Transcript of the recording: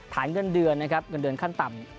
ฐานเงินเดือนนะครับเงินเดือนขั้นต่ำ